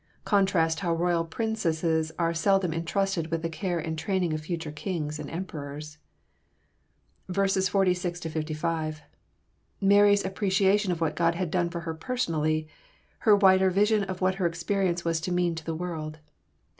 Contrast how royal princesses are seldom entrusted with the care and training of future kings and emperors. Vs. 46 55. Mary's appreciation of what God had done for her personally, her wider vision of what her experience was to mean to the world.